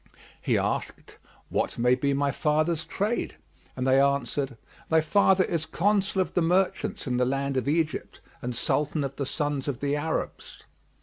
He asked, "What may be my father's trade?"; and they answered, "Thy father is Consul of the merchants in the land of Egypt and Sultan of the Sons of the Arabs."